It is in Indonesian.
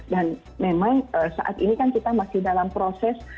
dan memang saat ini kan kita masih dalam proses